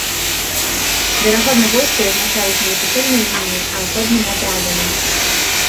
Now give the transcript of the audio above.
Верагодна войскі размяшчаліся не суцэльнай лініяй, а асобнымі атрадамі.